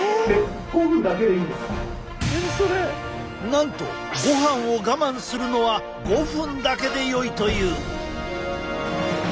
なんとごはんを我慢するのは５分だけでよいという！